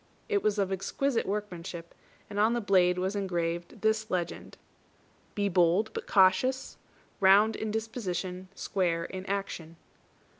It was of exquisite workmanship, and on the blade was engraved this legend: "_Be bold, but cautious; round in disposition, square in action.